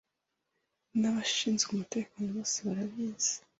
n'abashinzwe umutekano bose barabizi